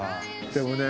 でもね